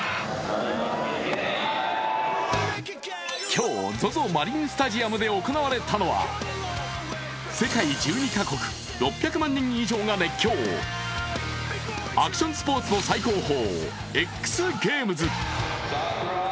今日、ＺＯＺＯマリンスタジアムで行われたのは世界１２カ国６００万人以上が熱狂、アクションスポ−ツの最高峰、ＸＧａｍｅｓ。